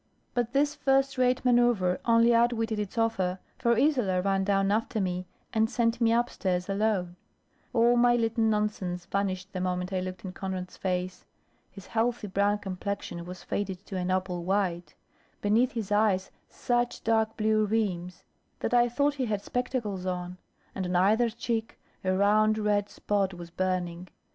But this first rate manoeuvre only outwitted its author, for Isola ran down after me, and sent me upstairs alone. All my little nonsense vanished the moment I looked in Conrad's face. His healthy brown complexion was faded to an opal white; beneath his eyes such dark blue rims, that I thought he had spectacles on; and on either cheek a round red spot was burning.